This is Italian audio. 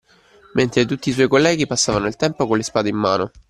Mentre tutti i suoi colleghi passavano il tempo con le spade in mano.